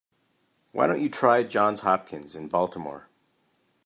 Why don't you try Johns Hopkins in Baltimore?